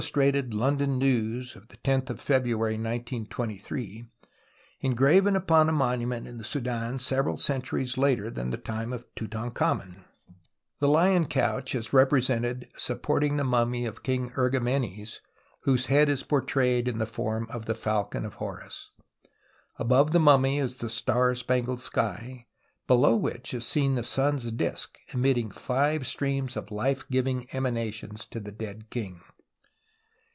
strated London News, 10th February 1923, p. 204), engraven upon a monument in the Soudan several centuries later than the time of Tutankhamen. The lion couch is represented supporting the mummy of King Ergamenes, whose head is portrayed in the form of the falcon of Horns. Above the mummy is the star spangled sky, below which is seen the sun's disc emitting five streams of life giving emanations to the dead king.